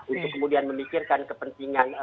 untuk kemudian memikirkan kepentingan